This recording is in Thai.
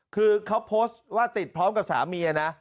คือเขาโพสต์ว่าติดพร้อมกับสามีนะ